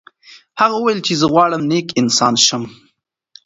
هغه وویل چې زه غواړم نیک انسان شم.